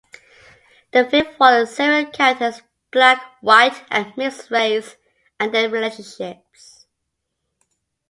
The film follows several characters, black, white and mixed race, and their relationships.